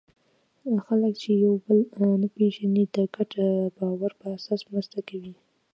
خلک چې یو بل نه پېژني، د ګډ باور په اساس مرسته کوي.